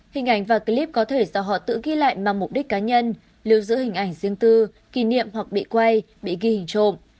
hình ảnh và clip có thể do họ tự ghi lại mang mục đích cá nhân lưu giữ hình ảnh riêng tư kỷ niệm hoặc bị quay bị ghi hình trộm